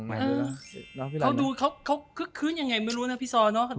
เขาดูเขาคื้นยังไงไม่รู้นะพี่ซอ